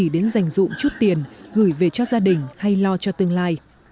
đến dành dụng chút tiền gửi về cho gia đình hay lo cho tương lai